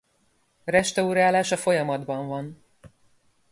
Restaurálása folyamatban van.